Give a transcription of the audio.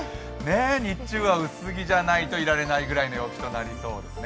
日中は薄着じゃないといられないぐらいの陽気になりそうですね。